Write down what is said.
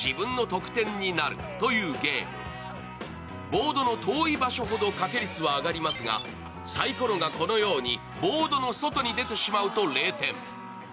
ボードの遠い場所ほどかけ率は上がりますがさいころがこのようにボードの外に出てしまうと０点。